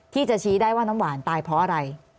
ที่จะชี้ได้ว่าน้ำหวานตายเพราะอะไร